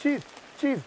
チーズ！